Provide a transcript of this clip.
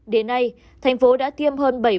đến nay thành phố đã tiêm hơn bảy phần